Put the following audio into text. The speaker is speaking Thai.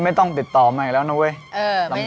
ไม่ยังไม่เคยครบแต่ว่าคุย